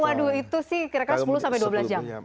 waduh itu sih kira kira sepuluh sampai dua belas jam